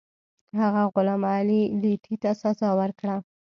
هغه غلام علي لیتي ته سزا ورکړه.